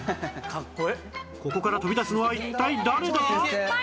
ここから飛び出すのは一体誰だ？